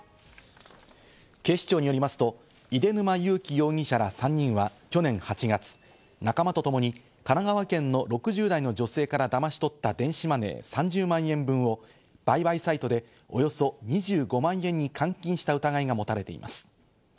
警視庁によりますと出沼悠己容疑者ら３人は去年８月、仲間とともに神奈川県の６０代の女性からだまし取った電子マネー３０万円分を売買サイトでおよそ２５万円に換金した疑いが持たれています。